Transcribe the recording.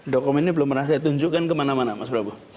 dokumen ini belum pernah saya tunjukkan kemana mana mas prabu